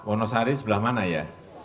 wonosari sebelah mana ya